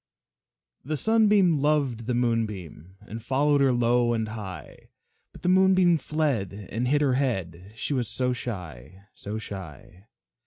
The Sunbeam loved the Moonbeam, And followed her low and high, But the Moonbeam fled and hid her head, She was so shy so shy.